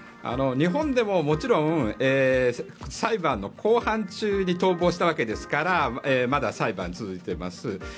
日本でも、もちろん裁判の公判中に逃亡したわけですからまだ、裁判続いています。